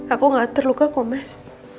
aku gak terluka kok mas